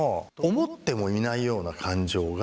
思ってもいないような感情が。